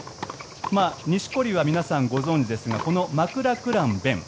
錦織は皆さんご存じですがこのマクラクラン勉。